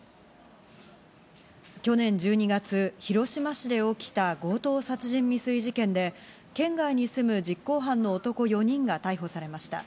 去年１２月、広島市で起きた強盗殺人未遂事件で、県外に住む実行犯の男４人が逮捕されました。